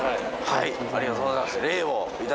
はい。